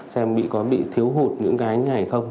xem có bị thiếu hụt những cái như này hay không